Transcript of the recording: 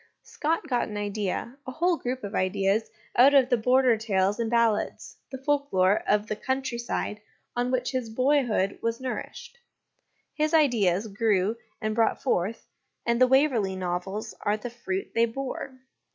Scott got an idea, a whole group of ideas, out of the Border tales and ballads, the folklore of the country side, on which his boyhood was nourished : his ideas grew and brought forth, and the Waverley Novels are the fruit they bore.